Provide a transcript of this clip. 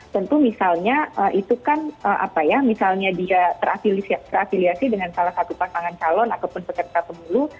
tentu misalnya dia terafiliasi dengan salah satu pasangan calon ataupun peserta pemilu